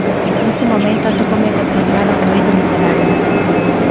Neste momento atópome concentrado no eido literario.